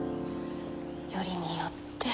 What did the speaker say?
よりによって。